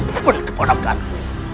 sedikit pun kepadakanku